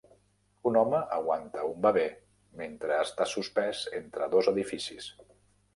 Un home aguanta un bebè mentre està suspès entre dos edificis.